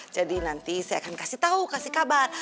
jadi nanti saya akan kasih tahu kasih kabar